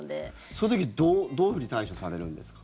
その時、どういうふうに対処されるんですか？